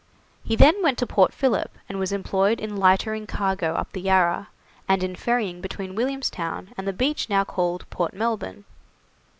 He then went to Port Philip, and was employed in lightering cargo up the Yarra, and in ferrying between Williamstown and the beach now called Port Melbourne.